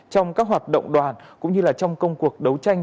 trong các hoạt động đoàn cũng như trong công cuộc đấu tranh